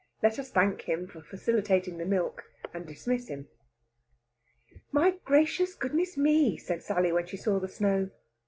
Let us thank him for facilitating the milk, and dismiss him. "My gracious goodness me!" said Sally, when she saw the snow.